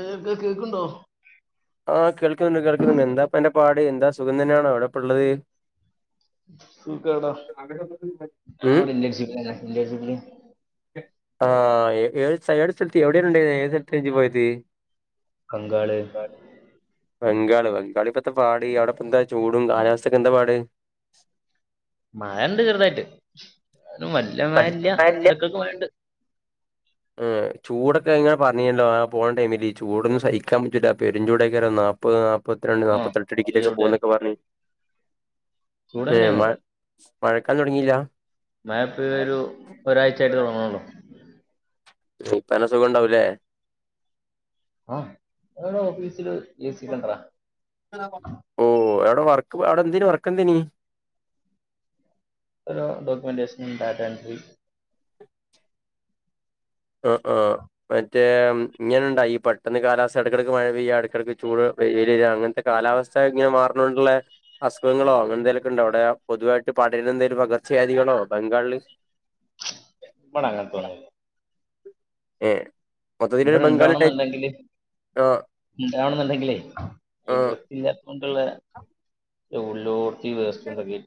[unintelligible] കേക്ക്നോ ആഹ്കേൾക്കുന്നുണ്ട് കേൾക്കുന്നുണ്ട്എന്താപ്പന്റെപാട് എന്താസുഖംതെയാണോഎവിടെപ്പള്ളത് സുഖടാ ഞാ ഇവിടെല്ല്യ [unintelligible] ആഹ് ഏഎട്സ്ഥലത്ത് എവിടെയണണ്ടയത് ഏത് സ്ഥലത്ത ഇജ്ജ് പോയത് ബംഗാൾ ബംഗാൾ ബംഗാളി ഇപ്പത്തെപാട് അവിടെപ്പെന്താചൂടും കാലാവസ്ഥൊക്കെന്താപാട് മഴണ്ട് ചെറുതായിട്ട് അതും വല്ല്യ മഴല്ല്യ എടക്കൊക്കെമഴണ്ട് ഏഹ് ചൂടൊക്കെങ്ങനെ പറഞ്ഞിന്നല്ലോ ആപോണ ടൈമില് ഈ ചൂടൊന്നുംഹിക്കാൻ പറ്റൂല പെരും ചൂടൈക്കാരംനാപ്പത് നാ പ്പത്രണ്ട്നാപ്പത്തെട്ട് ഡിഗ്രിയൊക്കെ പോവുന്നൊക്കെപറഞ് ഏഹ് മഴ മഴക്കാലം തൊടങ്ങില്ല്യ മഴപ്പെ ഒരു ഒരാഴ്ചയായിട്ട് തൊടങ്ങണൊള്ളൂ ഇപ്പ നല്ല സുഖണ്ടാവൂലേ ആഹ് ഞാ ഓഫീസില് എസിക്കണ്ടറാ ഓഹ് അവിടെ വർക്ക് അവിടെന്തേനി വർക്കെന്തേനി ഒരോ ഡോക്യുമെന്റേഷനും ഡാറ്റാ എൻട്രി ആഹ് ആഹ് മറ്റേ ഇങ്ങനെണ്ടാ ഈ പെട്ടെന്ന് കാലാവസ്ഥ എടക്കെടക്ക്മഴ പെയ്യ എടക്കെടക്ക് ചൂട് വെയില് വെരാ അങ്ങനത്തെ കാലാവസ്ഥ ഇങ്ങനെ മാറണോണ്ട്ള്ളെ അസുഖങ്ങളോ അങ്ങനെന്തെലോക്കെണ്ടൊ അവിടെ പൊതുവായിട്ട് പടര്നെന്തേലും പകർച്ചവ്യാധികളോ ബംഗാൾല് ഇവടെങ്ങനത്തൊന്നും ഇല്ല ഏഹ് ഇവിടെ ഇണ്ടാവണന്നിണ്ടെങ്കില് ഇണ്ടാവണന്നെണ്ടങ്കിലേ [unintelligible] ഇല്ല കൊണ്ട്ള്ളെ ഉള്ളോട്ത്തി വേസ്‌റ്റെന്തൊക്കെ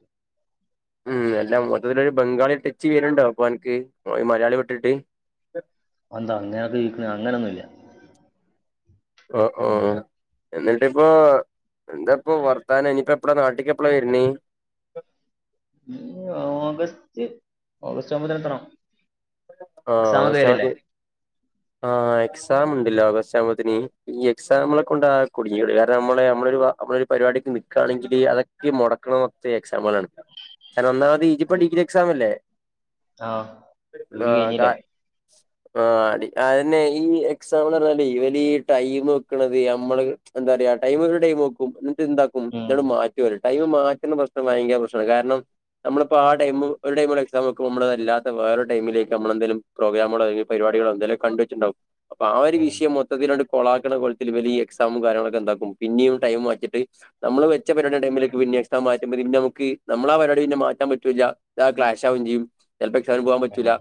ഉം എല്ലാ മൊത്തത്തിലൊരു ബംഗാളി ടച്ച് വര്ണ്ടോ അപ്പൊ അനക്ക് മലയാളി വിട്ടിട്ട് അയെന്താ അങ്ങനൊക്കെ ചോയിക്ക്ണ് അങ്ങനൊന്നുല്ല ഓഹ് ഓഹ് എന്നിട്ടിപ്പോ എന്താപ്പ വർത്താനം ഇഞ്ഞിപ്പ എപ്പളാ നാട്ടിക്ക് എപ്പളാ വര്നേ ഓഗസ്റ്റ് ഓഗസ്റ്റ് ആവുമ്പോത്തിന് എത്തണം ആഹ് ഓഗസ്റ്റാമ്പത്തി ആഹ് എക്സാം ഇണ്ടല്ലോ ഓഗസ്റ്റാവുമ്പത്തിനി ഈ എക്സാമെളെക്കൊണ്ടാ കുടുങ്ങിയക്കണ് കാരണം നമ്മളെ നമ്മളൊരു വാ നമ്മളൊരു പരിപാടിക്ക് നിക്കാണെങ്കില് അതൊക്കീ മൊടക്കണതൊക്കെ എക്സാമളാണ് കാരണം ഒന്നാമതീ ഇപ്പൊ ഡിഗ്രി എക്സാമല്ലേ ആഹ് ആഹ് കാ ആടി അതന്നെ ഈ എക്സാമ്ന്നറിഞ്ഞാല് ഇവലീ ടൈമ് വെക്കണത് നമ്മള് എന്താറിയോ ടൈമൊരു ടൈമു വെക്കും എന്നിട്ടെന്താക്കും ഇതാണ്ട് മാറ്റു പറയും ടൈമ് മാറ്റുന്ന പ്രശ്നം ഭയങ്കര പ്രശ്നാണ് കാരണം നമ്മളിപ്പ ആ ടൈമും ഒരുടൈമൂടെ എക്സാമ് വെക്കും നമ്മളതല്ലാത്ത വേറെ ടൈമിലേക്ക് നമ്മളെന്തേലും പ്രോഗ്രാമുകളോ പരിപാടികളോ എന്തെലും കണ്ട് വെച്ചിണ്ടാവും അപ്പ ആ ഒരു വിഷയം മൊ ത്തത്തിലങ്ങട് കൊളാക്കണ കോലത്തില് ഇവലീ എക്സാമും കാര്യങ്ങളൊക്കെന്താക്കും പിന്നീം ടൈമ് മാറ്റീട്ട് നമ്മള് വെച്ച പരിപാടിന്റെ ടൈമിലെക്ക് പിന്നെ എക്സാം മാറ്റുമ്പഴ് പിന്നെ നമക്ക് നമ്മള് ആ പരിപാടി പിന്നെ മാറ്റാൻ പറ്റൂല്ല്യ താ ക്ലാഷാവേം ചെയ്യും ചെലപ്പ എക്സാമിന് പോവാൻ പറ്റൂല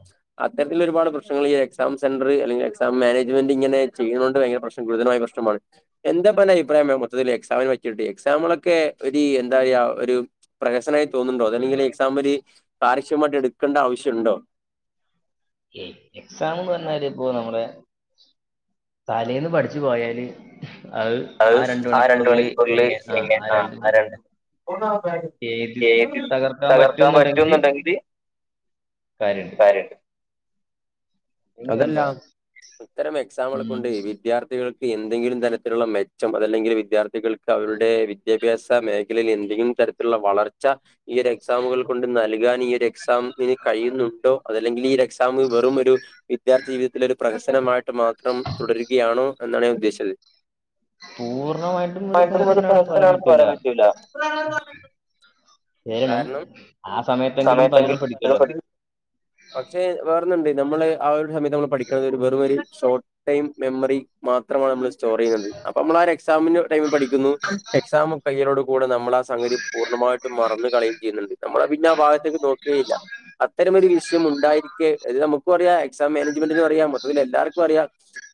അത്തരത്തിലൊരുപാട് പ്രശ്നങ്ങള് ഈ എക്സാം സെന്ററ് അല്ലങ്കിൽ എക്സാം മാനേജ്മെന്റ് ഇങ്ങനെ ചെയ്യണോണ്ട് ഭയങ്കര പ്രശ് ഗുരുതരമായ പ്രശ്നമാണ്. എന്താപ്പന്റെ അഭിപ്രായം വേണം മൊത്തത്തിത്തില് എക്സാമിനെ പറ്റീട്ടേ എക്സാമുകളൊക്കെ ഒരീ എന്തായാ ഒരു പ്രഹസനായി തോന്നുണ്ടോ അതല്ലെങ്കില് എക്സാമില് കാരശ്യമായിട്ടെടുക്കെണ്ട ആവശ്യിണ്ടോ എക്സാമെന്ന് പറഞ്ഞാല് ഇപ്പൊ നമ്മള് തലേന്ന് പഠിച്ച് പോയാല് അത് ആ രണ്ട്മണിക്കൂറില് ഇങ്ങ ആഹ് ആ രണ്ട് എയ്തി തകർക്കാൻ പറ്റൂന്നിണ്ടെങ്കില് കാര്യണ്ട്. അതല്ലാ ഇത്തരം എക്സാമുകൾ കൊണ്ട് വിദ്യാർത്ഥികൾ ക്ക് എന്തെങ്കിലും തരത്തിലുള്ള മെച്ചം അതല്ലെങ്കിൽ വിദ്യാർത്ഥികൾക്ക് അവരുടെ വിദ്യാഭ്യാസ മേഖലയിൽ എന്തെങ്കിലും തര ത്തിലിള്ള വളർച്ച ഈ ഒരു എക്സാമുകൾ കൊണ്ട് നൽകാൻ ഈ ഒരു എക്സാമിന് കഴിയുന്നുണ്ടോ അതല്ലെങ്കില് ഈ എക് സാമ് വെറുമൊരു വിദ്യാർത്ഥി ജീവിതത്തിലൊരു പ്രകസനമായിട്ട് മാത്രം തുടരുകയാണോ എന്നാണ് ഞാൻ ഉദ്ദേശിച്ചത് [unintelligible] പറ്റൂല കാരണം സമയത്തെങ്കിൽ [unintelligible] പക്ഷെ വേറൊന്നുണ്ട് നമ്മള് ആഹ് ഒരു സമയത്ത് നമ്മള് പഠിക്കണത് വെറും ഒരു ഷോർട്ട് ടൈം മെമ്മറി മാത്രമാണ് നമ്മള് സ്റ്റോറ് ചെയ്യുന്നത് അപ്പം അമ്മളാ ഒരു എക്സാമിന്റൊരു ടൈമി പഠിക്കുന്നു എക്സാം കയ്യണോടു കൂടെ നമ്മളാ സംഗതി പൂർണമായിട്ടും മറന്ന് കളയും ചെയ്യുന്നുണ്ട് നമ്മള് പിന്നാ ഭാഗത്തേക്ക് നോക് ക്കേയില്ല അത്തരമൊരു വിഷയം ഉണ്ടായിരിക്കെ അത് നമുക്കും അറിയാം എക്സാം മാനേജ്മെന്റിനും അറിയാം മൊത്തത്തില് എല്ലാർക്കും അറിയാം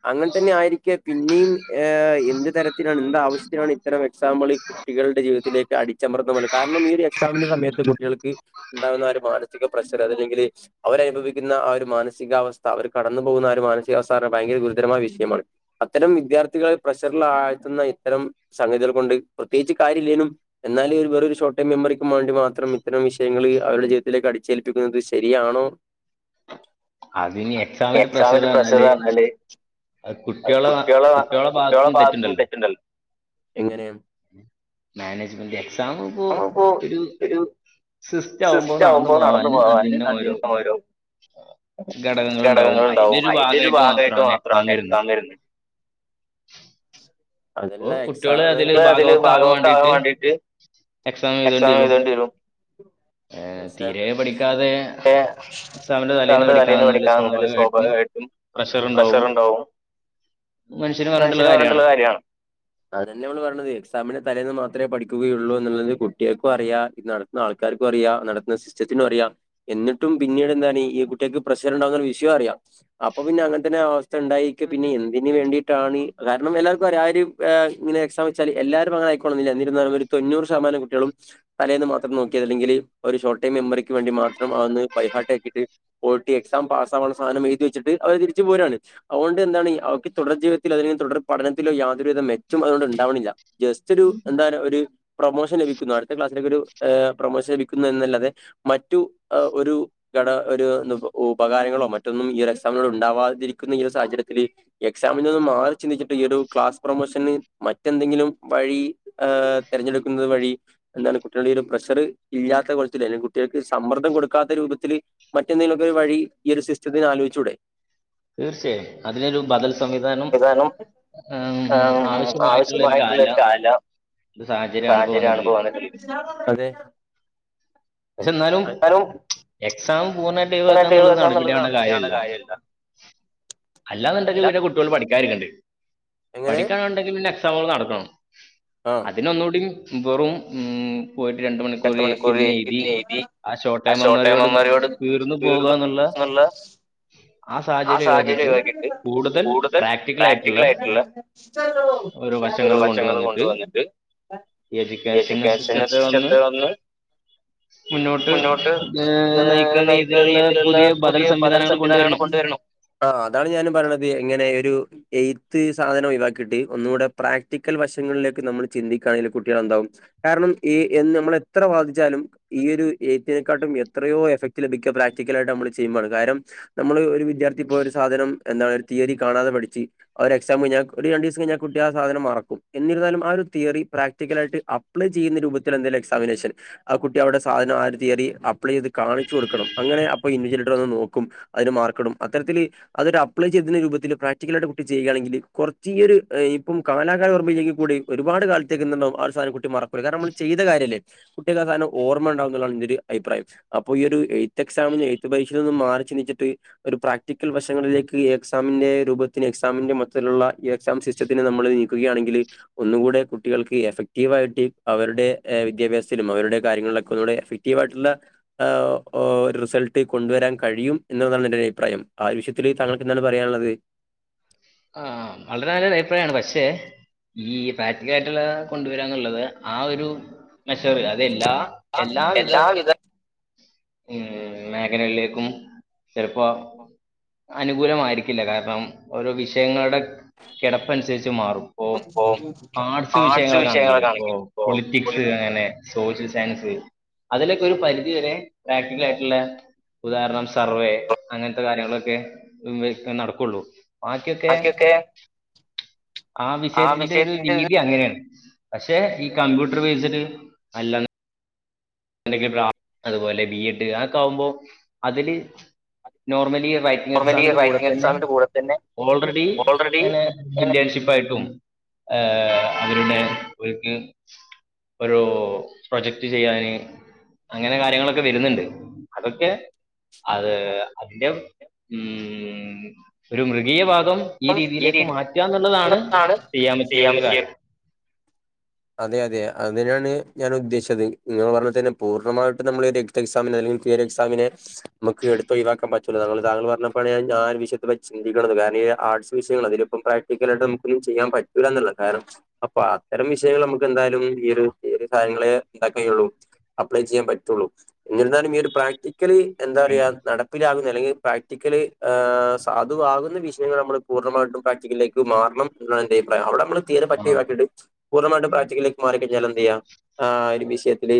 അങ്ങൻതന്നെ ആയിരിക്കെ പിന്നേം ഏഹ് എന്ത് തരത്തിലാണ് എന്ത് ആവശ്യത്തിനാണ് ഇത്തരം എക്സാമ്പിള് കുട്ടികളുടെ ജീവിതത്തിലേക്ക് അടിച്ചമർത്ത്ന്ന പോലെ കാരണം ഈ ഒരു എക്സാമിന്റെ സമയത്ത് കുട്ടികൾക്ക് ഉണ്ടാകുന്ന ആ ഒരു മാനസിക പ്രഷറ് അതല്ലെങ്കില് അവരനുഭവിക്കുന്ന ആ ഒരു മാന സികാവസ്ഥ അവർ കടന്നു പോകുന്ന ആ ഒരു മാനസികാവസ്ഥന്ന് പറഞ്ഞ ഭയങ്കര ഗുരുതരമായ വിഷയമാണ് അത്തരം വിദ്യാർത്ഥികളെ പ്രഷറിലാഴ്ത്തുന്ന ഇത്തരം സംഗതികൾ കൊണ്ട് പ്രത്യേകിച്ച് കാര്യല്ലേനും എന്നാല് വേറ്വൊരു ഷോർട്ട് ടൈം മെമ്മറിക്കുംമാണ്ടി മാത്രം ഇത്തരം വിഷയങ്ങള് അവരുടെ ജീവിതത്തിലേക്ക് അടിച്ചേൽപ്പിക്കുന്നത് ശരിയാണോ അഹ് എക്സാമിന്റെ പ്രഷർ പറഞ്ഞാല് അത്‌ കുട്ട്യോളെ കുട്ട്യേളെ ഭാഗത്തും തെറ്റുണ്ടല്ലോ എങ്ങനെ മാനേജ്മെന്റ് എക്സാമിപ്പോ ഒരു സിസ്റ്റാവുമ്പോ നടന്നു പോവാന് അതിന്റെ ഓരോ ഘടകങ്ങൾ ഉണ്ടാവും അതിന്റെ ഒരു ഭാഗയിട്ട് മാത്രാണ് എക്സാം വരുന്നത് അതല്ല എക്സാമുകൾ അതില് ഭാഗമൊക്കെ ആവാൻ വേണ്ടിട്ട് എക്സാം എഴുതേണ്ടിവരും [unintelligible] എക്സാമിന്റെ തലേന്ന് പഠിക്കാൻ നിന്നാല് സ്വാഭാവികായിട്ടും പ്രഷറ്ണ്ടാവും മനുഷ്യന് പറഞ്ഞിട്ടുള്ള കാര്യാണ് അതന്നെ നമ്മള് പറഞ്ഞത് എക്സാമിന്റെ തലേന്ന് മാത്രെ പഠിക്കുകയുള്ളൂന്ന്ള്ളത് കുട്ടികൾക്കും അറിയാം ഇത് നട ത്തുന്ന ആൾക്കാർക്കും അറിയാം നടത്തുന്ന സിസ്റ്റത്തിനും അറിയാം എന്നിട്ടും പിന്നീട് എന്താണീ ഈ കു കുട്ടികക്ക് പ്രഷറ്ണ്ടോന്ന്ള്ള വിഷയോം അറിയാം അപ്പൊ പിന്നെ അങ്ങൻത്തന്നെ അവസ്ഥ ഉണ്ടായിരിക്കെ പിന്നെ എന്തിന് വേണ്ടിട്ടാണി കാരണം എല്ലാവർക്കും അറിയാം ആ ഒര് ആഹ് ഇങ്ങനെ എക്സാം വെച്ചാല് എല്ലാരും അങ്ങനെ ആയിക്കൊള്ളണന്നില്ല എന്നിരുന്നാ ഒരു തൊണ്ണൂറ് ശതമാനം കുട്ടികളും തലേന്ന് മാത്രം നോക്കിയാ അല്ലെങ്കില് ഒരു ഷോർട്ട് ടൈം മെമ്മറിക്ക് വേണ്ടി മാത്രം അതൊന്ന് ബൈഹാർട്ടാക്കിട്ട് പോയിട്ട് എക്സാം പാസ്സാവാന്ള്ള സാധനം എഴുതി വെച്ചിട്ട് അവര് തിരിച്ച് പോരാണ് അതുകൊണ്ടെന്താണി അവർക്ക് തുടർ ജീവിതത്തില് അല്ലെങ്കി തുടർ പഠനത്തിലോ യാതൊരുവിധ മെച്ചം അതുകൊണ്ട്ണ്ടാവണില്ല ജസ്റ്റൊരു എന്താണ് ഒര് പ്രൊമോഷൻ ലഭിക്കുന്നു അടുത്ത ക്ലാസിലേക്കൊരു ഏഹ് പ്രൊമോഷൻ ലഭിക്കുന്നു എന്നല്ലാതെ മറ്റു ആഹ് ഒരു ഘട ഒരു ന്ത്‌ഉ ഉപകാരങ്ങളോ മറ്റൊന്നും ഈ ഒരു എക്സാമിനോട് ഉണ്ടാവാതിരിക്കുന്ന ഈ ഒരു സാഹചര്യത്തില് എക്സാമിൽ നിന്നും മാറി ചിന്തിച്ചിട്ട് ഈ ഒരു ക്ലാസ് പ്രൊമോഷന് മറ്റെന്തെങ്കിലും വഴി ആഹ് തെരഞ്ഞെടുക്കുന്നത് വഴി എന്താണ് കുട്ടികളുടെ ഈ ഒരു പ്രഷറ് ഇല്ലാത്ത കോലത്തില് അല്ലെങ്കി കുട്ടികൾക്ക് സമ്മർദ്ദം കൊടുക്കാത്ത രൂപത്തില് മറ്റെന്തെങ്കിലൊക്കെ ഒരു വഴി ഈ ഒരു സിസ്റ്റത്തിന് ആലോയിച്ചൂടെ തീർച്ചയായും അതിനൊരു ബദൽ സംവിധാനം സംവിധാനം ആം ആവശ്യമായിട്ടുള്ളൊരു കാലം സാഹചര്യാണ് ഇപ്പം വന്നിട്ട്ള്ളത് അത് ആൾക്കാരും എക്സാം പൂർണ്ണമായിട്ടൊയ്വാക്കുകാന്നുള്ളത് നടപടിയാണ കാര്യല്ല അല്ലാന്ന്ണ്ടെങ്കി പിന്നെ കുട്ട്യോള് പഠിക്കാതിരിക്കേണ്ടി വരും പഠിക്കാനുണ്ടെങ്കി പിന്നെ എക്സാമുകൾ നടക്കണം അതിനൊന്നൂടി വെറും ഉം രണ്ട് മണിക്കൂർ ഇരിന്നെഴ്തി ആഹ്, ഷോട്ടേം മെമ്മറിയോട് തീർന്ന് ന്നല്ല. ആഹ്, സാഹചര്യം ഒഴിവാക്കിട്ട് കൂടുതൽ പ്രാക്ടിക്കൽ ആയിട്ട് ള്ള ഓരോ വശങ്ങള് കൊണ്ടുവന്നിട്ട് എജുക്കേഷൻ സിസ്റ്റ ന്ന് മുന്നോട്ട് ഏഹ്, നയിക്കാന്ന രീതിയിലുള്ള പുതിയ പതന സംവിധാനങ്ങൾ കൊണ്ട് വ രണം ആഹ്, അതാണ് ഞാനും പറയ്ണത് എങ്ങനെ ഒരു എഴ്ത്ത് സാധനം ഒഴിവാക്കിയിട്ട് ഒന്നുകൂടെ പ്രാക്ടിക്കൽ വശങ്ങളിലേക്ക് നമ്മൾ ചിന്തിക്കാണെങ്കിൽ കുട്ടികൾ എന്താവും. കാരണം ഈ എ നമ്മള് എത്ര വാദിച്ചാലും. ഈ, ഒരു എഴ്ത്ത്നെക്കാട്ടും എത്രയോ എഫക്ട് ലഭിക്ക പ്രാക്ടിക്കലായിട്ട് നമ്മള് ചെയ്യുമ്പാണ് കാരം നമ്മള് ഒരു വിദ്യാർത്ഥി ഇപ്പോ, ഒരു സാധനം എന്താണ് ഒരു തിയറി കാണാതെ പഠിച്ച് ഒരു എക്സാം കഴിഞ്ഞാ ഒരു രണ്ടീസം കഴിഞ്ഞാ കുട്ടി ആ സാധനം മറക്കും, എന്നിരുന്നാലും ആ ഒരു തിയറി പ്രാക്ടിക്കലായിട്ട് അ പ്ലൈ ചെയ്യുന്ന രൂപത്തിൽ എന്തേലും എക്സാമിനേഷൻ. ആഹ്, കുട്ടി അവിടെ സാധനം ആഹ് ഒ രു തിയറി അപ്ലൈ ചെയ്ത് കാണിച്ചു കൊടുക്കണം. അങ്ങനെ അപ്പൊ ഇൻവിജലിറ്റർ അത് നോക്കും. അതിന് മാർക്കിടും അത്തരത്തില്. അതൊരു അപ്ലേ ചെയ്ത രൂപത്തിൽ പ്രാക്ടിക്കലായിട്ട് കുട്ടി ചെയ്യുകയാണെങ്കിൽ കൊറച്ച് ഈ ഒര് ഇപ്പം കാലാകാലം ഓർമ്മല്ലെങ്കിൽ കൂടി ഒരുപാട് കാലത്തേക്ക് എന്ത് ണ്ടാവും ആഹ്, ഒരു സാധനം കുട്ടി മറക്കൂല. കാരണം നമ്മള് ചെയത കാര്യല്ലേ? കുട്ട്യക്ക് ആഹ് സാധനം ഓർമ്മ ഇണ്ടാവുന്നുള്ളാണ്. ഇന്റെ ഒരു അഭിപ്രായം. അപ്പൊ ഈ ഒരു എഴ്ത്ത് എക്സാമ്ന്ന് എഴ്ത്ത് പരീക്ഷയിൽ നിന്ന് മാറി ചിന്തിച്ചിട്ട് ഒരു പ്രാക്ടിക്കൽ വശങ്ങളിലേക്ക് എക്സാമിന്റെ രൂപത്തിന് എക്സാമിന്റെ മൊത്തിലുള്ള എക്സാം സിസ് റ്റത്തിന് നമ്മള് നീക്കുകയാണെങ്കിൽ ഒന്നുകൂടെ കുട്ടികൾക്ക് എഫക്ടീവായിട്ട് അവരു ടെ വിദ്യാഭ്യാസത്തിലും അവരുടെ കാര്യങ്ങളിലൊക്കെ ഒന്നുടെ എഫക്ടീവായിട്ടുള്ള ഏഹ് ഓഹ് റിസൾട്ട് കൊണ്ടുവരാൻ കഴിയും എന്നുള്ളതാണ് എന്റെ അഭിപ്രായം ആവശ്യ ഇതില് താങ്കൾക്ക് എന്താണ് പറയാൻള്ളത്. ആഹ്, വളരെ നല്ലൊരു അഭിപ്രായാണ് പക്ഷേ ഈ, പ്രാക്ടിക്കലായിട്ടുള്ള കൊണ്ടുവരാ ന്നുള്ളത് ആഹ് ഒരു- മെഷറ് അതെല്ലാ എല്ലാവിധ ഉം, മേഖലകളിലേക്കും ചെലപ്പോ അനുകൂലമായിരിക്കില്ല. കാരണം ഓരോ വിഷയങ്ങളുടെ കെടപ്പനുസരിച്ച് മാറും. ഇപ്പൊ, ആർട്സ് വിഷയങ്ങളൊക്കെ ആണെങ്കിൽ ഇപ്പൊ- പോളിറ്റിക്സ് അങ്ങനെ. സോഷ്യൽ സയൻസ് അതിലൊക്കെ ഒരു പരിധി വരെ പ്രാക്ടിക്കൽ ആയിട്ട്ള്ളെ ഉദാഹരണം സർവ്വേ അങ്ങൻത്തെ കാര്യങ്ങളൊക്കെ നടക്കുള്ളൂ. ബാക്കിയൊക്കെ ആഹ്, വിഷയത്തിന്റെ ഒരു രീതി അങ്ങനെയാണ്. പക്ഷെ, ഈ കമ്പ്യൂട്ടർ ബേസ്ഡ് അല്ല. അല്ലെങ്കി [unintelligible] അതുപോലെ, ബി എഡ് അതൊക്കെ ആവുമ്പോ? അതില് നോർമലി... പ്രാക്ടിക്കൽ എക്സാമിന്റെ കൂടെ, തന്നെ ഓൾറെഡി ഇങ്ങനെ ഇൻ്റേൺ ഷിപ്പായിട്ടും ഏഹ് അവരുടെ ഓൽക്ക് ഒരു പ്രൊജക്ട് ചെയ്യാന്. അങ്ങനെ കാര്യങ്ങളൊക്കെ വരുന്നുണ്ട്. അതൊക്കെ അത് അതിന്റെ ഉം, ഒരു മൃഗീയ ഭാഗം- ഈ, രീതിയിലേക്ക് മാറ്റുക ന്നുള്ളതാണ്, ചെയ്യാൻ പറ്റിയ ഒരു കാര്യം. അതെ, അതെ അതിനാണ് ഞാൻ ഉദ്ദേശിച്ചത്. നിങ്ങൾ പറഞ്ഞ തന്നെ പൂർണ്ണമായിട്ടും നമ്മള് എക്സമിനെ അല്ലങ്കി, തിയറി എക്സാമിനെ നമക്ക് എട്ത്ത് ഒഴിവാക്കാൻ പറ്റൂല. താങ്കൾ, താങ്കള് പറഞ്ഞപ്പോഴാണ് ഞാൻ ആഹ്, ഒരു വിഷയത്തെ പറ്റി ചിന്തിക്ക്ണത്. കാരണം ഈ ആർട്സ് വിഷയങ്ങളും അതില് പ്പം പ്രാക്ടിക്കലായിട്ടമ്മക്കൊന്നും ചെയ്യാൻ പറ്റൂല ന്ന്ള്ളെ കാരണം അപ്പൊ അത്തരം വിഷ് ഷയങ്ങള് നമുക്ക് എന്തായാലും ഈ ഒരു ഈ ഒരു കാര്യങ്ങളേ ന്താക്കയുള്ളൂ അപ്ലേ ചെയ്യാൻ പറ്റുള്ളൂ എന്നിരുന്നാലും ഈ ഒരു പ്രാക്ടിക്കല് എന്താ പറയാ നടപ്പിലാകുന്ന അല്ലെങ്കി പ്രാക്ടിക്കല് ഏ സാദുവാകുന്ന വിഷയങ്ങൾ നമ്മള് പൂർണ്ണമായിട്ടും പ്രാക്ടിക്കലിലേക്ക് മാറണം. ന്നാ ന്റെയിപ്രായം. അവ്ട മ്മള് തീരെ പറ്റൊയ് വാക്കിട്ട് പൂർണ്ണമായിട്ടും പ്രാക്ടിക്കലേക്ക് മാറി കഴിഞ്ഞാലെന്തെയ്യ ആ ഒരു വിഷയത്തില്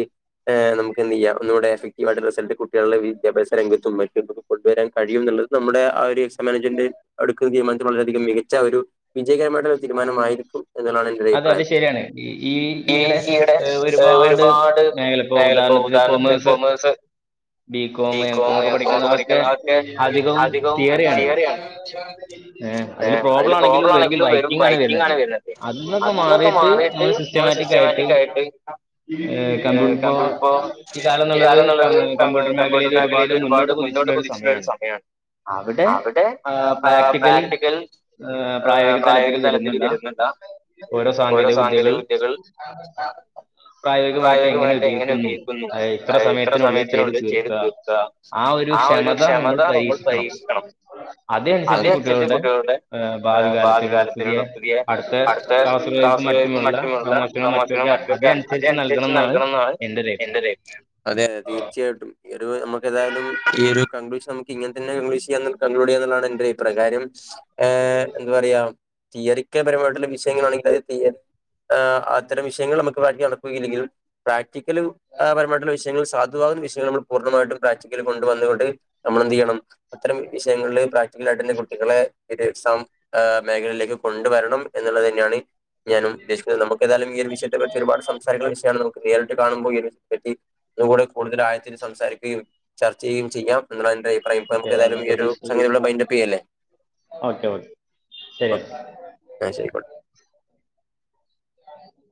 ഏ നമുക്കെന്തെയ്യ ഒന്നു കൂടെ എഫക്റ്റീവായിട്ട് റിസൾട്ട് കുട്ടികൾടെ വിദ്യാഭ്യാസ രംഗത്തും മറ്റും കൊണ്ടു വരാൻ കഴിയും ന്ന്ള്ളത് നമ്മുടെ ആ ഒരു എക്സം മാനേജ്മെന്റ്ന്റെ അടുക്ക് തീരുമാനത്തിനുള്ളി ലധികം മികച്ച ഒരു വിജയകരമായിട്ടുള്ള ഒരു തീരുമാനമായിരിക്കും എന്നുള്ളതാണ് എന്റൊര യ്പ്രായം. പി ജി യു ടെ എ ഒരുപാട് മേഖല പോ ഉദാഹരണത്തിന് commerce B com M com ഒക്കെ പഠിക്കുന്ന അഒക്കെ അധികവും തിയറിയാണ്. ഏഹ് അതില് പ്രോബ്ലാണെങ്കിലും വരും റയിറ്റിങ്ങാണെ വരുല [unintelligible] ക്ക മാറിട്ട് നമ്മള് സിസ്റ്റമാറ്റികാ യിട്ട് ഏ കമ്പ്യൂട്ടർ പ്പോ ഈ കാലം ന്നുള്ളത് കമ് കമ്പ്യൂട്ടർ മേഖലയിൽ ഒരുപാട് മുന്നോട്ട് കുതിച് ല്ലൊര് സമയാണ് അവിടെ ആ പ്രാക്ടിക്കൽ ഏഹ് പ്രായോഗിക തലത്തില് [unintelligible] ഓരോ സാങ്കേതിക വിദ്യകൾ പ്രായോഗികമായിട്ട് എങ്ങനെ ഉപയോഗിക്കുന്നു അ എത്ര സമയത്തിനുള്ളിൽ ചെയ്തു തീർക്കാ ആ ഒരു ക്ഷമത നമ്മൾ പരീക്ഷിക്കണം അതിനനുസരിച്ച് കുട്ടികളുടെ ഏഹ് ഭാവി കാലത്തിലുള്ള [unintelligible] അടുത്ത [unintelligible] മറ്റുമുള്ള [unintelligible] മറ്റുമൊക്കെ അതിനനുസരിച്ച് നൽകണം ന്നാണ് എന്റൊരയിപ്രായം. അതെ അതെ തീർച്ചയ് യായ്ട്ടും ഈ ഒരു നമ്മെകെതായാലും ഈ ഒരു കൺക്ലൂഷൻ നമുക്കിങ്ങൻ തന്നെ കൺക്ലൂഷെയ്യാ കൺക്ലൂടെയ്യാന്നാണ് ന്റൊരയ് പ്രകാരം ഏഹ് ന്താ പറയാ തിയറിക്കപരമായിട്ടുള്ള വിഷയങ്ങളാണെങ്കില അത് [unintelligible] ഏ അത്തരം വിഷയങ്ങൾ നമുക്ക് ബാക്കി നടക്കുകയില്ലെങ്കിൽ പ്രാക്ടിക്കല് എ പരമായിട്ടുള്ള വിഷയങ്ങള് സാ ധു ആകുന്ന വിഷയങ്ങൾ നമ്മൾ പൂർണ്ണമായിട്ടും പ്രാക്ടിക്കല് കൊണ്ട് വന്ന് കൊണ്ട് നമ്മളെന്ത്യ്യണം അത്തരം വി വിഷയങ്ങളില് പ്രാ ക്റ്റിക്കലായിട്ട് കുട്ടികളെ ഒരു എക്സാം ഏ മേഖലയിലേക്ക് കൊണ്ടുവരണം എന്നുള്ളത് തന്നെയാണ് ഞാനും ഉദ്ദേശിക്ണെ നമുക്കേ തായാലുംഈ ഒരു വിഷയത്തെ പറ്റി ഒരുപാട് സംസാരിക്കാള്ള വിഷയാണ് നമുക്ക് നേരിട്ട് കാണുമ്പോ ഈ ഒരു വിഷയത്തെ പ്പറ്റി ന്നു കൂടെ കൂടുതലായത്തില് സംസാരിക്കുകയും ചർച്ച ചെയ്യുകയും ചെയ്യാം എന്നുള്ളതാണെന്റയ് പ്രയം പ്പ മ്മക്കേതായാലും ഈ ഒരു സമയം വട വൈന്റപ്പയ്യല്ലേ ഓക്കേ. ന്നാ ശരി [unintelligible] [inaudible]